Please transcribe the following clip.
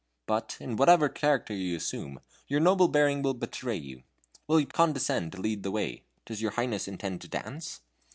But, in whatever character you asume, your noble bearing will betray you. Will you condescend to lead the way? Does your Highness intend to dance?"